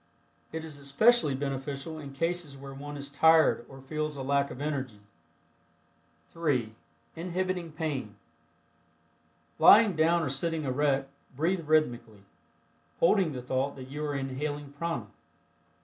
It is especially beneficial In cases where one is tired or feels a lack of energy. (3) INHIBITING PAIN. Lying down or sitting erect, breath rhythmically, holding the thought that you are inhaling prana.